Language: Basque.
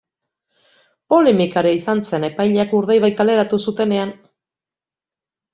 Polemika ere izan zen epaileek Urdaibai kaleratu zutenean.